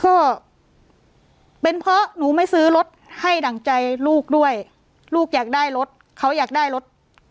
ก็เป็นเพราะหนูไม่ซื้อรถให้ดั่งใจลูกด้วยลูกอยากได้รถเขาอยากได้รถ